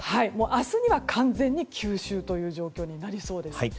明日には完全に吸収という状況になりそうです。